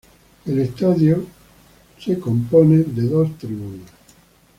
El estadio en sí se constituye de dos tribunas.